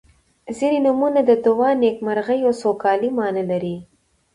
• ځینې نومونه د دعا، نیکمرغۍ او سوکالۍ معنا لري.